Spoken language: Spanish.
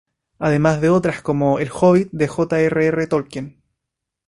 Además de otras como "El hobbit" de J. R. R. Tolkien.